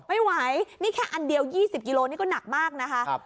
ไม่ไหวนี่แค่อันเดียว๒๐กิโลนี่ก็หนักมากนะคะ